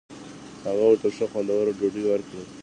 هغه ورته ښه خوندوره ډوډۍ ورکړه.